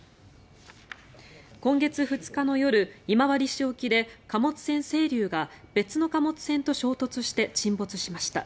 今月２日の夜、今治市沖で貨物船「せいりゅう」が別の貨物船と衝突して沈没しました。